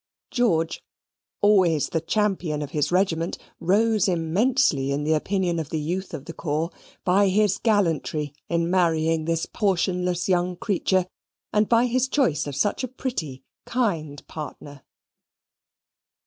George, always the champion of his regiment, rose immensely in the opinion of the youth of the corps, by his gallantry in marrying this portionless young creature, and by his choice of such a pretty kind partner.